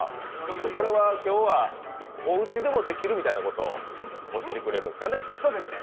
これは今日はおうちでもできるみたいなことを教えていただけるんですかね。